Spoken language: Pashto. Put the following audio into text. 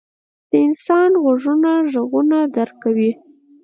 • د انسان غوږونه ږغونه درک کوي.